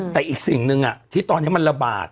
แต่อีกสิ่งหนึ่งที่ตอนนี้มันระบาด